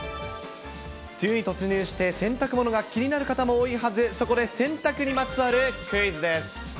梅雨に突入して洗濯物が気になる方も多いはずで、そこで洗濯にまつわるクイズです。